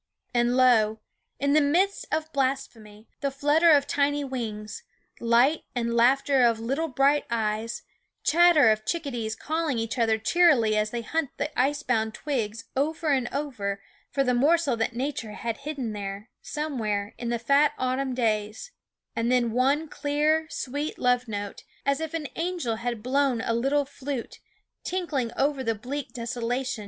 And lo ! in the midst of blasphemy, the flutter of tiny wings, light and laughter of little bright eyes, chatter of chickadees call ing each other cheerily as they hunted the ice bound twigs over and over for the morsel that Nature had hidden there, somewhere in the fat autumn days ; and then one clear, sweet love note, as if an angel had blown a little flute, tinkling over the bleak desolation 327 ffie G/actsome TV.